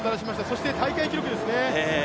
そして大会記録ですね。